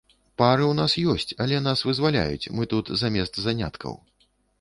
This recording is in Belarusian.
Пары ў нас ёсць, але нас вызваляюць, мы тут замест заняткаў.